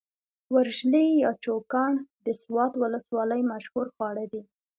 ورژلي يا چوکاڼ د سوات ولسوالۍ مشهور خواړه دي.